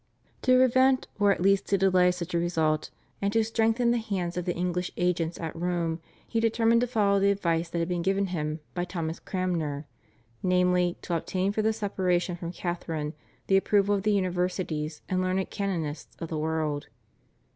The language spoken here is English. To prevent or at least to delay such a result and to strengthen the hands of the English agents at Rome, he determined to follow the advice that had been given him by Thomas Cranmer, namely, to obtain for the separation from Catharine the approval of the universities and learned canonists of the world.